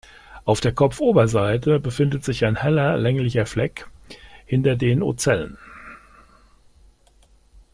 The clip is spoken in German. Auf der Kopfoberseite befindet sich ein heller, länglicher Fleck hinter den Ocellen.